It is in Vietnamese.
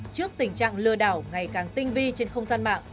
trước tình trạng lừa đảo ngày càng tinh vi trên không gian mạng